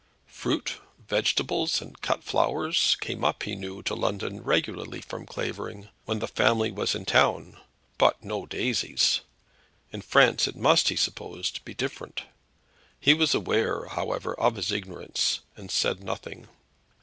Fruit, vegetables, and cut flowers came up, he knew, to London regularly from Clavering, when the family was in town; but no daisies. In France it must, he supposed, be different. He was aware, however, of his ignorance, and said nothing.